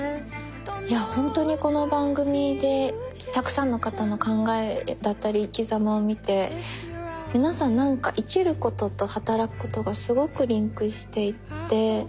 いやほんとにこの番組でたくさんの方の考えだったり生きざまを見て皆さん何か生きることと働くことがすごくリンクしていて。